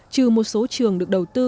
trừ một số trường được đầu tư